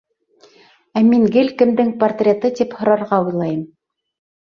Ә мин гел кемдең портреты тип һорарға уйлайым.